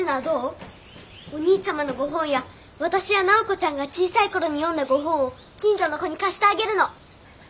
お兄ちゃまのご本や私や直子ちゃんが小さい頃に読んだご本を近所の子に貸してあげるの。